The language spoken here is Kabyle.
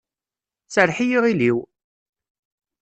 Serreḥ i yiɣil-iw!